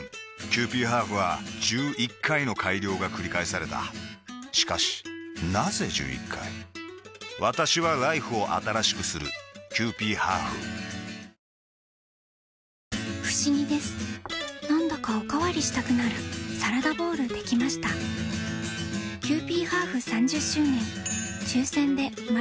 キユーピーハーフは１１回の改良がくり返されたしかしなぜ１１回私はＬＩＦＥを新しくするキユーピーハーフふしぎですなんだかおかわりしたくなるサラダボウルできましたキユーピーハーフ３０周年